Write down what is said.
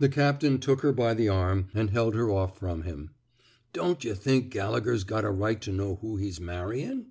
The captain took her by the arm and held her off from him. Don't yuh think Gallegher's got a right to know who he's marryin'?